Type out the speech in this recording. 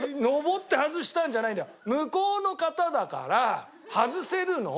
向こうの方だから外せるの。